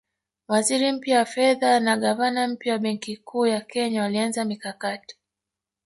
Waziri mpya wa fedha na gavana mpya wa Benki Kuu ya Kenya walianza mikakati